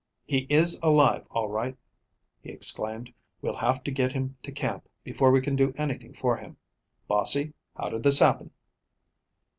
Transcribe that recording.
"He is alive, all right," he exclaimed. "We'll have to get him to camp before we can do anything for him. Bossie, how did this happen?"